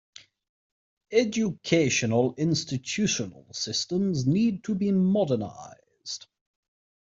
Educational Institutional systems need to be modernized.